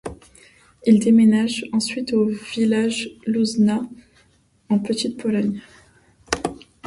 Il déménage ensuite au village Łużna, en Petite-Pologne.